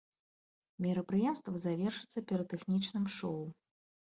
Мерапрыемства завершыцца піратэхнічным шоў.